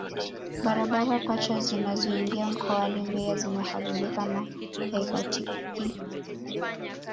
Barabara pacha zinazoingia mkoani Mbeya zimeharibika na haipitiki